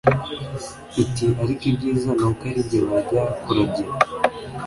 iti ariko ibyiza ni uko ari jye wajya kuragira